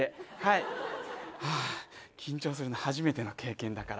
ああ緊張するな初めての経験だから。